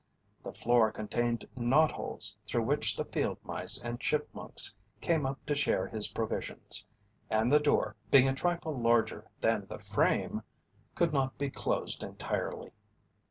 The floor contained knotholes through which the field mice and chipmunks came up to share his provisions, and the door, being a trifle larger than the frame, could not be closed entirely.